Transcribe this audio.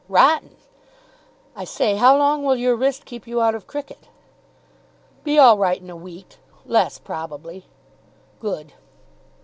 "Rotten. I say, how long will your wrist keep you out of cricket?" "Be all right in a week. Less, probably." "Good."